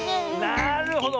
なるほど。